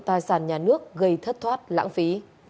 tài sản nhà nước gây thất thoát lãng phí